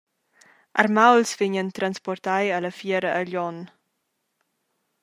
Armauls vegnan transportai alla fiera a Glion.